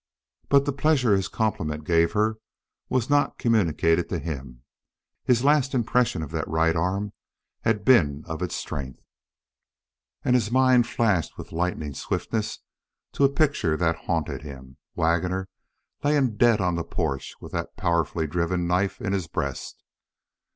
But the pleasure his compliment gave her was not communicated to him. His last impression of that right arm had been of its strength, and his mind flashed with lightning swiftness to a picture that haunted him Waggoner lying dead on the porch with that powerfully driven knife in his breast.